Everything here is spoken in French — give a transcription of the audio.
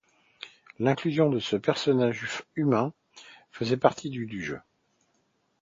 L'inclusion de ce personnage humain faisait partie du du jeu.